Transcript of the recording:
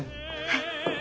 はい。